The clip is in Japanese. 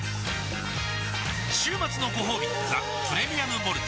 週末のごほうび「ザ・プレミアム・モルツ」